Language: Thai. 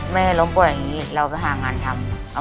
แม่ล้มป่วยแบบนี้เราก็หางานทำ